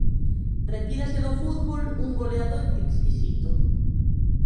Retírase do fútbol un goleador exquisito.